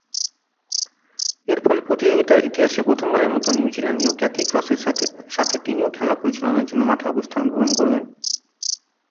এরফলে প্রতিযোগিতার ইতিহাসে প্রথমবারের মতো নিউজিল্যান্ডীয় ক্যাথি ক্রসের সাথে তিনিও খেলা পরিচালনার জন্য মাঠে অবস্থান গ্রহণ করবেন।